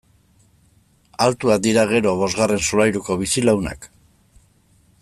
Altuak dira gero bosgarren solairuko bizilagunak!